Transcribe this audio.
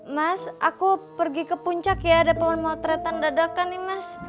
mas aku pergi ke puncak ya ada pohon motretan dadakan nih mas